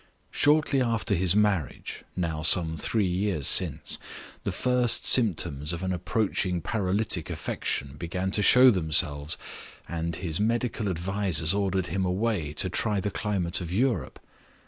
Shortly after his marriage now some three years since the first symptoms of an approaching paralytic affection began to show themselves, and his medical advisers ordered him away to try the climate of Europe.